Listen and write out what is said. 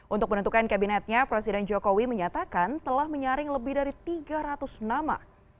untuk menentukan kabinetnya presiden jokowi menyatakan telah menyaring lebih dari tiga ratus nama